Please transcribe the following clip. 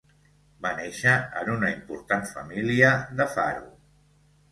Va néixer en una important família de Faro.